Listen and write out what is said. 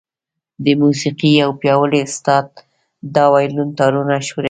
د موسيقۍ يو پياوړی استاد د وايلون تارونه ښوروي.